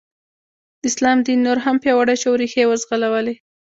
د اسلام دین نور هم پیاوړی شو او ریښې یې وځغلولې.